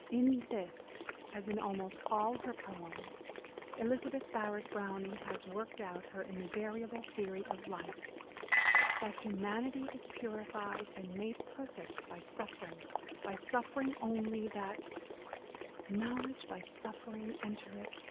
In this, as in almost all her poems, Elizabeth Barrett Browning has worked out her invariable theory of life — that humanity is purified and made perfect by suffering, by suffering only — that Knowledge by suffering entereth.